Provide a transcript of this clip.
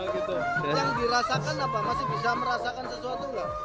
yang dirasakan apa masih bisa merasakan sesuatu nggak